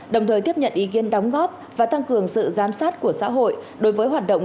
đồng thời tiếp nhận ý kiến đóng góp và tăng cường sự giám sát của xã hội đối với hoạt động